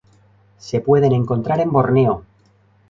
Se pueden encontrar en Borneo.